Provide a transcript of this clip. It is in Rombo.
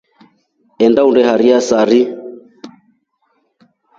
Enda uneheiya sari.